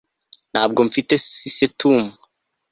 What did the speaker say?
ntabwo mfite sisitemu